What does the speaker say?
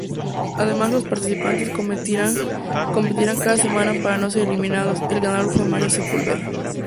Además los participantes competirán cada semana para no ser eliminados, el ganador fue Mario Sepulveda.